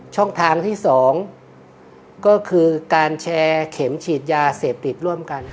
ช่องทางที่๒ก็คือการแชร์เข็มฉีดยาเสพติดร่วมกัน